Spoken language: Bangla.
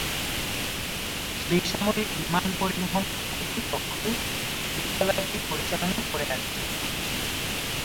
বেসামরিক বিমান পরিবহন কর্তৃপক্ষ বিদ্যালয়টি পরিচালনা করে আসছে।